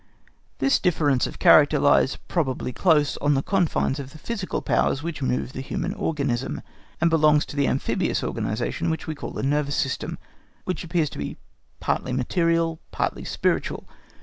This difference of character lies probably close on the confines of the physical powers which move the human organism, and belongs to that amphibious organisation which we call the nervous system, which appears to be partly material, partly spiritual.